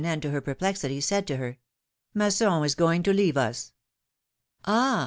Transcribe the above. end to her perplexity, said to her : ^'Masson is going to leave us." '^Ah !